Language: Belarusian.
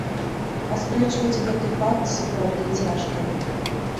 Аспрэчваць гэты факт сапраўды цяжка.